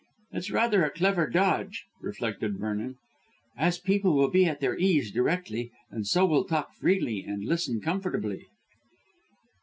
It's rather a clever dodge," reflected Vernon, "as people will be at their ease directly and so will talk freely and listen comfortably."